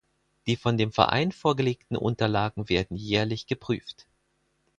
Die von dem Verein vorgelegten Unterlagen werden jährlich geprüft.